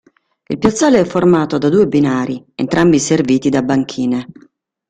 Il piazzale è formato da due binari entrambi serviti da banchine.